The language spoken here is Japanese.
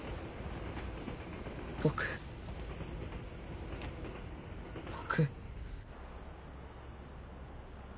僕僕。